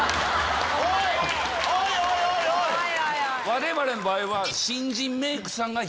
我々の場合は。